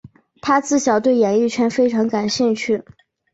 她自小对演艺圈非常感兴趣。